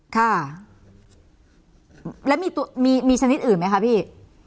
ค่ะแล้วมีชนิดอื่นไหมคะพี่